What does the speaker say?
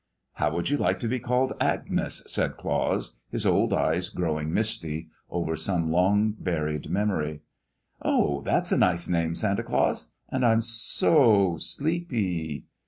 "How would you like to be called 'Agnes'?" said Claus, his old eyes growing misty over some long buried memory. "Oh, that's a nice name, Santa Claus! And I'm so sleepy!"